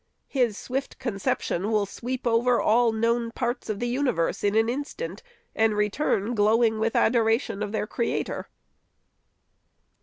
his swift conception will sweep over all known parts of the universe in an instant, and return glowing with adoration of their Creator.